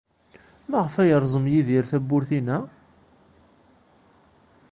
Maɣef ay yerẓem Yidir tawwurt-inna?